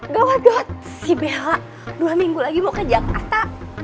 good got si bella dua minggu lagi mau ke jakarta